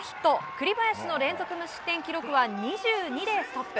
栗林の連続無失点記録は２２でストップ。